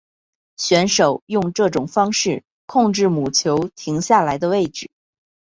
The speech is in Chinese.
选手用这种方式控制母球停下来的位置。